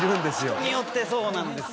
人によってそうなんですよ。